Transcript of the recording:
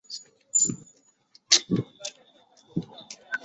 严重副作用包含伪膜性结肠炎及全身型过敏性反应。